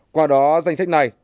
qua đó danh sách này